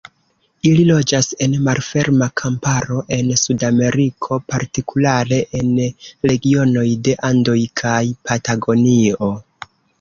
Ili loĝas en malferma kamparo en Sudameriko, partikulare en regionoj de Andoj kaj Patagonio.